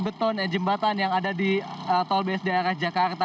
saya akan menggunakan jembatan yang ada di tol bsd area jakarta